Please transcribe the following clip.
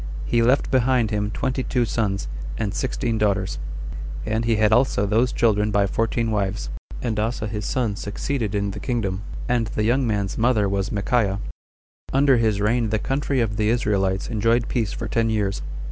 He left behind him twenty two sons, and sixteen daughters; and he had also those children by fourteen wives; and Asa his son succeeded in the kingdom; and the young man's mother was Michaiah. Under his reign the country of the Israelites enjoyed peace for ten years.